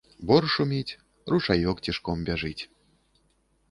Бор шуміць, ручаёк цішком бяжыць.